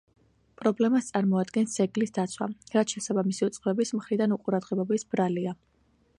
პრობლემას წარმოადგენს ძეგლის დაცვა, რაც შესაბამისი უწყებების მხრიდან უყურადღებობის ბრალია.